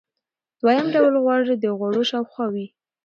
دویم ډول غوړ د غړو شاوخوا وي.